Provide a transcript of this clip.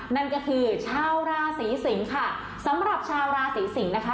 นั่นก็คือชาวราศีสิงค่ะสำหรับชาวราศีสิงศ์นะคะ